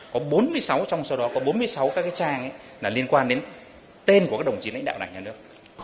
có bốn mươi sáu trong số đó có bốn mươi sáu các cái trang liên quan đến tên của các đồng chí lãnh đạo đảng nhà nước